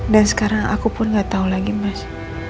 sekarang aku pun gak tahu lagi mas